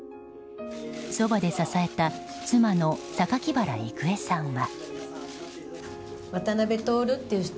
そばで支えた妻の榊原郁恵さんは。